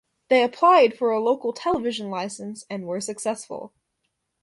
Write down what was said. They applied for a local television licence and were successful.